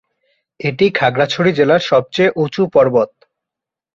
এটি খাগড়াছড়ি জেলার সবচেয়ে উঁচু পর্বত।